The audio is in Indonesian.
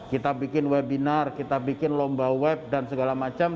kita bikin webinar kita bikin lomba web dan segala macam